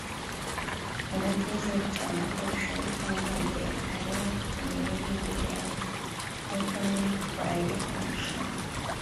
ndabyizeye cyane ko bishoboka ngendeye ahanini ku miririmbire yanjye n’uko nitwaye mu irushanwa